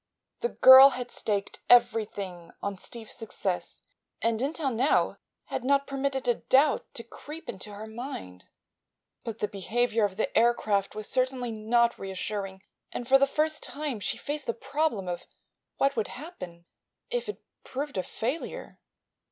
The girl had staked everything on Steve's success and until now had not permitted a doubt to creep into her mind. But the behavior of the aircraft was certainly not reassuring and for the first time she faced the problem of what would happen if it proved a failure.